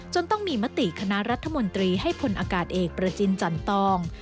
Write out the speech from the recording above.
ต้องมีมติคณะรัฐมนตรีให้พลอากาศเอกประจินจันตอง